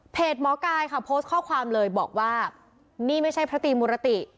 หมอกายค่ะโพสต์ข้อความเลยบอกว่านี่ไม่ใช่พระตรีมุรติ